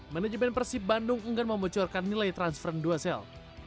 manajemen persib bandung enggan memucurkan nilai transfer endusel